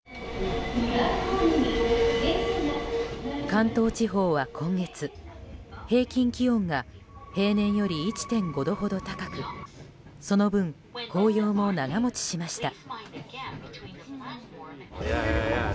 関東地方は今月、平均気温が平年より１．５度ほど高くその分、紅葉も長持ちしました。